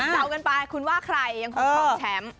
เดากันไปคุณว่าใครยังคงครองแชมป์